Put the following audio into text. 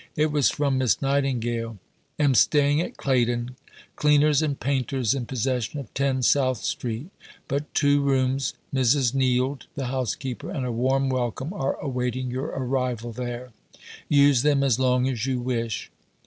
It was from Miss Nightingale: "Am staying at Claydon, cleaners and painters in possession of 10 South Street, but two rooms, Mrs. Neild [the Housekeeper], and a warm welcome are awaiting your arrival there. Use them as long as you wish."